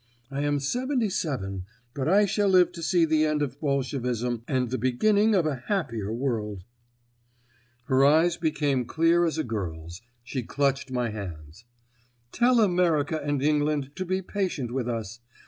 I am seventy seven, but I shall live to see the end of Bolshevism and the beginning of a happier world." Her eyes became clear as a girl's; she clutched my hands. "Tell America and England to be patient with us.